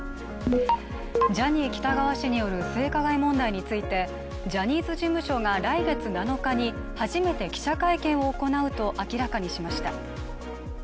ジャニー喜多川氏による性加害問題についてジャニーズ事務所が来月７日に初めて記者会見を行うと明らかにしました。